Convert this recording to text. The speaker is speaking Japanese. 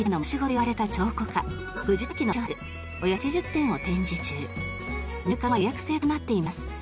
入館は予約制となっています。